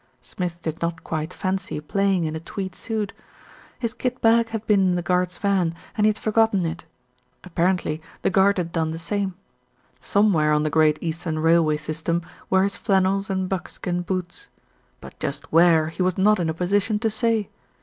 Smith did not quite fancy playing in a tweed suit. His kit bag had been in the guard's van, and he had forgotten it. Apparently the guard had done the same. Somewhere on the Great Eastern Railway sys tem were his flannels and buckskin boots; but just where he was not in a position to say.